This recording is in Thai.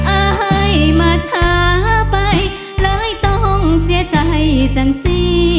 อายมาช้าไปเลยต้องเสียใจจังสิ